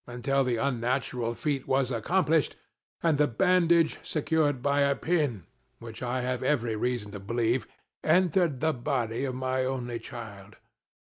until the unnatural feat was accomplished, and the bandage secured by a pin, which I have every reason to believe entered the body of my only child.